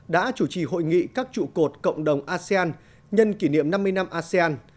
đã chủ trì hội nghị các trụ cột cộng đồng asean nhân kỷ niệm năm mươi năm asean